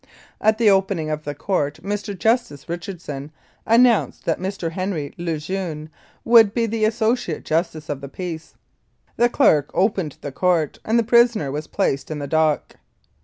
At the opening of the court Mr. Justice Richardson announced that Mr. Henry Le Jeune would be the associate justice of the peace. The clerk opened the court and the prisoner was placed in the dock.